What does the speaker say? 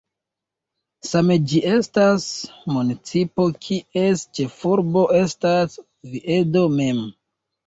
Same ĝi estas municipo kies ĉefurbo estas Oviedo mem.